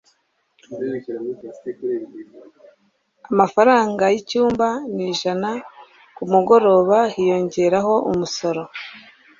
Amafaranga yicyumba ni ijana kumugoroba hiyongereyeho umusoro.